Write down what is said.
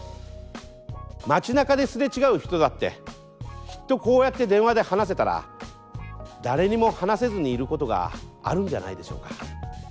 街なかですれ違う人だってきっとこうやって電話で話せたら誰にも話せずにいることがあるんじゃないでしょうか。